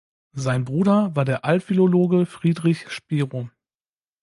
Sein Bruder war der Altphilologe Friedrich Spiro.